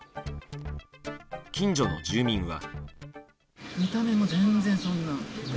近所の住民は。